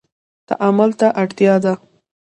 تعامل ته اړتیا ده